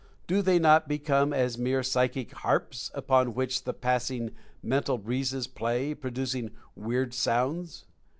Do they not become as mere psychic harps, upon which the passing mental breezes play, pro ducing weird sounds?